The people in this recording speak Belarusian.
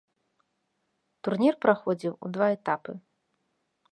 Турнір праходзіў у два этапы.